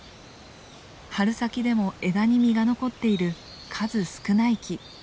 春先でも枝に実が残っている数少ない木。